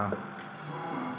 bisa dimatikan sedikit